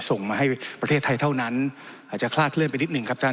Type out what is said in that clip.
ส่งมาให้ประเทศไทยเท่านั้นอาจจะคลาดเคลื่อนไปนิดหนึ่งครับท่าน